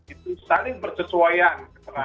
itu saling bersesuaian